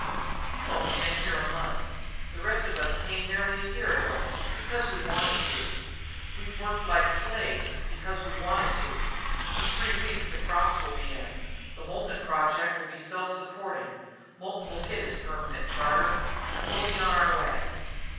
"You've only been here a month. The rest of us came nearly a year ago because we wanted to. We've worked like slaves, because we wanted to. In three weeks the crops will be in. The Moulton Project will be self supporting. Moulton will get his permanent charter, and we'll be on our way.